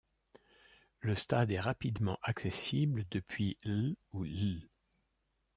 Le stade est rapidement accessible depuis l' ou l'.